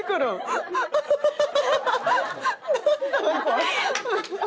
ハハハハ！